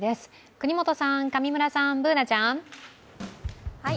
國本さん、上村さん、Ｂｏｏｎａちゃん。